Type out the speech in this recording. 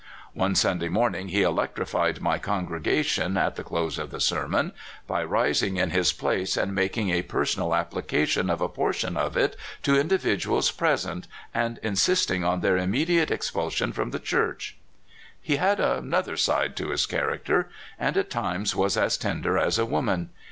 One Sunday morning he electrified my congregation, at the close of the sermon, by ris ing in his place and making a personal application of a portion of it to individuals present, and in sisting on their immediate expulsion from the Church. He had another side to his character, and at times was as tender as a woman.